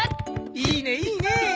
いいねいいね。